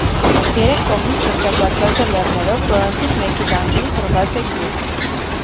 Երեք կողմից շրջապատված է լեռներով, որոնցից մեկի լանջին փռված է գյուղը։